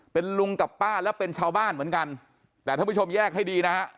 เป็นลุงกับป้าและเป็นชาวบ้านเหมือนกันแต่ท่านผู้ชมแยกให้ดีนะฮะ